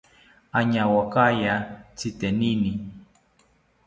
Añawakaya tzitenini